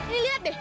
nih liat deh